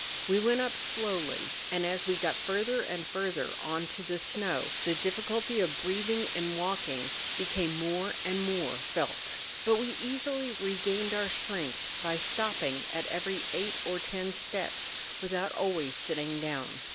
We went up slowly ; and, as we got further and further on to the snow, the difficulty of breathing in walking became more and more felt; but we easily regained our strength by stopping at every eight or ten steps without always sitting down.